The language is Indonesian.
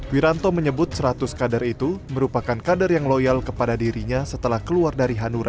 wiranto menyebut seratus kader itu merupakan kader yang loyal kepada dirinya setelah keluar dari hanura